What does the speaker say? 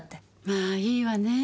まあいいわねぇ。